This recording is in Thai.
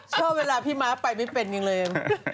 ชอบเวลาพี่ม้าไปไม่เป็นยังเลย